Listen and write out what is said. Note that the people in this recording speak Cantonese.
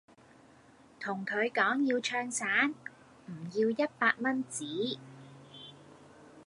同佢講要唱散，唔要一百蚊紙